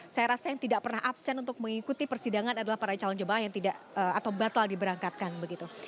saya rasa yang tidak pernah absen untuk mengikuti persidangan adalah para calon jemaah yang tidak atau batal diberangkatkan begitu